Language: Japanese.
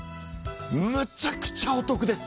むちゃくちゃお得です。